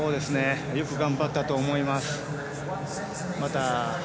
よく頑張ったと思います。